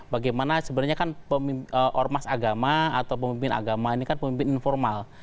bagaimana sebenarnya kan ormas agama atau pemimpin agama ini kan pemimpin informal